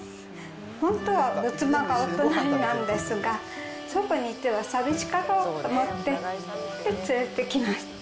本当は仏間はお隣なんですが、そこにいては寂しかろうと思って、連れてきました。